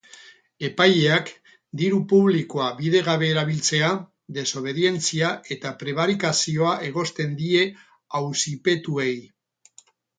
Epaileak diru publikoa bidegabe erabiltzea, desobedientzia eta prebarikazioa egozten die auzipetuei.